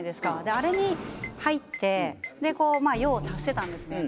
あれに入って用を足してたんですね。